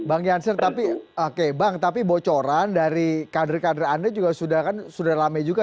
bang jansen tapi oke bang tapi bocoran dari kader kader anda juga sudah kan sudah lama juga